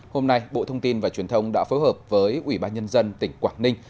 hôm nay bộ thông tin và truyền thông đã phối hợp với ủy ban nhân dân tỉnh quảng ninh